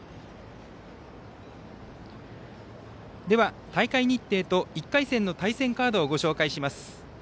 では、大会日程と１回戦の対戦カードをご紹介します。